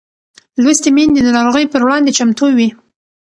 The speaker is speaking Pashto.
لوستې میندې د ناروغۍ پر وړاندې چمتو وي.